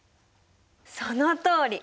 そのとおり！